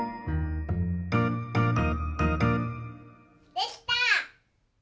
できた！